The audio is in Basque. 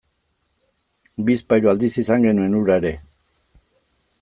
Bizpahiru aldiz izan genuen hura ere.